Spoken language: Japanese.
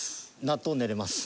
納豆練れます。